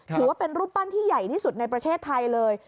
ถือว่าเป็นรูปปั้นที่ใหญ่ที่สุดในประเทศไทยเลย